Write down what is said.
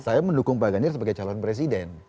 saya mendukung pak ganjar sebagai calon presiden